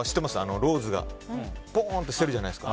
ローズがポンと捨てるじゃないですか。